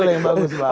ada yang bagus bang